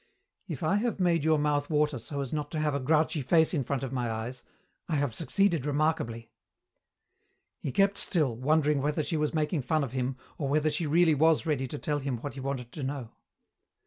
"If I have made your mouth water so as not to have a grouchy face in front of my eyes, I have succeeded remarkably." He kept still, wondering whether she was making fun of him or whether she really was ready to tell him what he wanted to know.